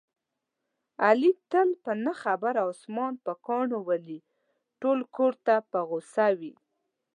علي تل په نه خبره اسمان په کاڼو ولي، ټول کورته په غوسه وي.